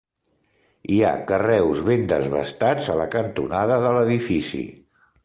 Hi ha carreus ben desbastats a la cantonada de l'edifici.